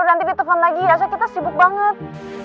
nanti ditelpon lagi ya so kita sibuk banget